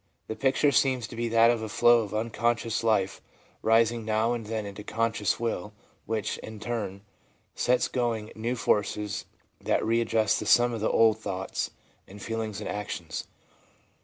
The picture seems to be that of a flow of unconscious life rising now and then into conscious will, which, in turn, sets going new forces that readjust the sum of the old thoughts and feelings and actions.